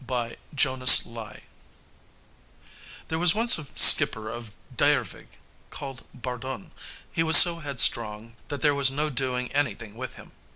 ] THE WIND GNOME There was once a skipper of Dyrevig called Bardun. He was so headstrong that there was no doing anything with him.